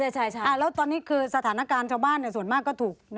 ใช่แล้วตอนนี้คือสถานการณ์ชาวบ้านส่วนมากก็ถูก